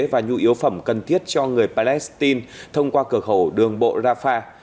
và nhu yếu phẩm cần thiết cho người palestine thông qua cửa khẩu đường bộ rafah